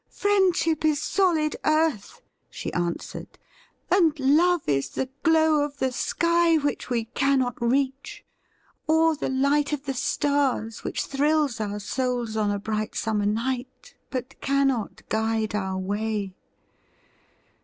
' Friendship is solid earth,' she answered, ' and love is the glow of the sky which we cannot reach — or the light of the stars which thrills our souls on a bright summer night, but cannot guide our way.